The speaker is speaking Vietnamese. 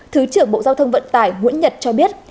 thứ trưởng bộ giao thông vận tải nguyễn nhật cho biết